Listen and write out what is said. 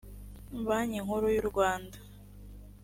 banki nkuru y’u rwanda